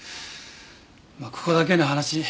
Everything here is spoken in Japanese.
まあここだけの話